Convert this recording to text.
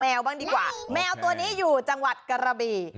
บ้างดีกว่าแมวตัวนี้อยู่จังหวัดกระบี่